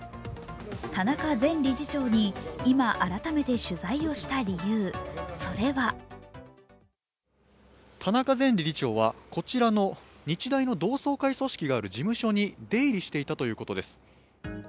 田中前理事長に今改めて取材をした理由、それは田中前理事長はこちらの日大の同窓会組織のある事務所に出入りしていたということです。